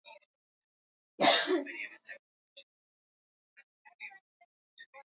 Kwa mfano tengamaji kati ya mabeseni ya Ruaha Mkuu na Mto Zambezi